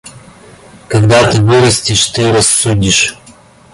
Когда ты вырастешь, ты рассудишь.